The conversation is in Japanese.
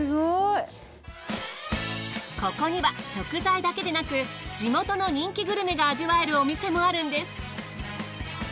ここには食材だけでなく地元の人気グルメが味わえるお店もあるんです。